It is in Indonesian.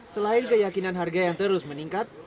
selain keyakinan harga yang terus meningkat